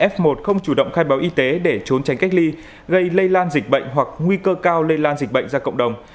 f một không chủ động khai báo y tế để trốn tránh cách ly gây lây lan dịch bệnh hoặc nguy cơ cao lây lan dịch bệnh ra cộng đồng